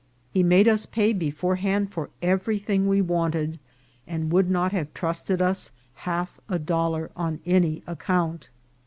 He made us pay beforehand for everything we wanted, and would not have trusted us half a dollar on any account.